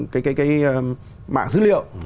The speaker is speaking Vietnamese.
cái mạng dữ liệu